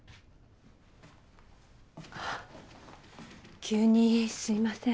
あっ急にすいません。